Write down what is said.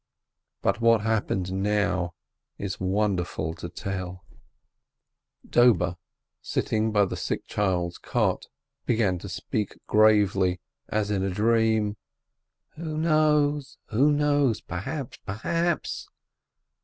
But what happened now is wonderful to tell. 374 S. LIBIN Dobe, sitting by the sick child's cot, began to speak, gravely, and as in a dream : "Who knows? Who knows? Perhaps? Perhaps?"